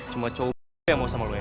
cuma cowok yang mau sama lo ya